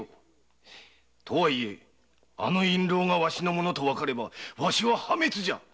とは言えあの印ろうがワシのものと分かればワシは破滅じゃ。